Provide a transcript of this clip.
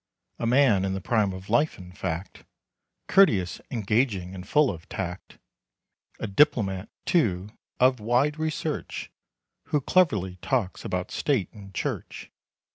A man in the prime of life, in fact, Courteous, engaging and full of tact. A diplomat, too, of wide research Who cleverly talks about state and church.